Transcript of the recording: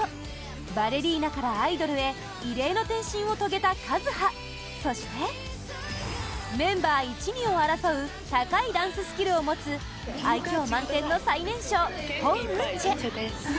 バレリーナからアイドルへ異例の転身を遂げたカズハそして、メンバー１、２を争う高いダンススキルを持つ愛嬌満点の最年少ホン・ウンチェ